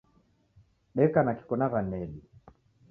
Deka na Kiko na wanedu